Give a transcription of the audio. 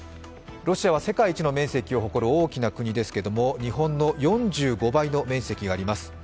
ロシアは世界一の面積を誇る大きな国ですけれども、日本の４５倍の面積があります。